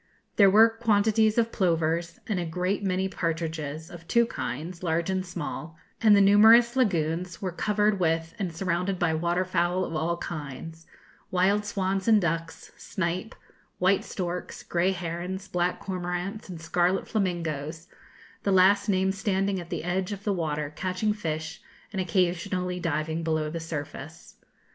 There were quantities of plovers, and a great many partridges, of two kinds, large and small, and the numerous lagunes were covered with and surrounded by water fowl of all kinds wild swans and ducks, snipe, white storks, grey herons, black cormorants, and scarlet flamingoes, the last named standing at the edge of the water, catching fish, and occasionally diving below the surface.